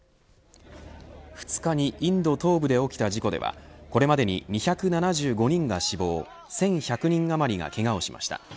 ２日にインド東部で起きた事故ではこれまでに２７５人が死亡１１００人余りがけがをしました。